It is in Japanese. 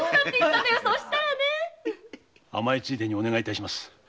甘えついでにお願いいたします。